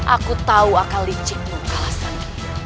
aku tahu akan licikmu kalah sering